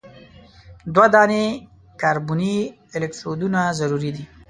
دوه دانې کاربني الکترودونه ضروري دي.